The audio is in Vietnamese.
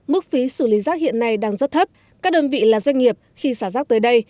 mức phí xử lý rác hiện nay đang rất thấp các đơn vị là doanh nghiệp khi xả rác tới đây